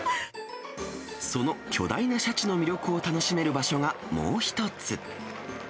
その巨大なシャチの魅力を楽しめる場所がもう一つ。